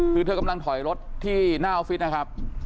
คือเธอกำลังถอยรถที่หน้าออฟฟิศนะครับ